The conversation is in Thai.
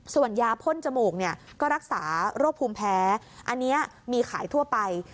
ส่วนยาพ่นจมูกเนี่ยก็รักษาโรคภูมิแพ้อันนี้มีขายทั่วไป